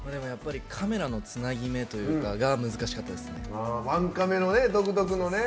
カメラのつなぎ目というか難しかったですね。